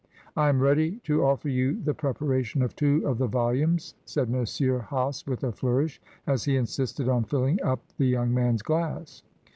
"I am ready to offer you the preparation of two of the volumes," said M. Hase, with a flourish, as he insisted on filling up the young man's glass.